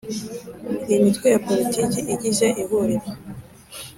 Imitwe ya Politiki igize Ihuriro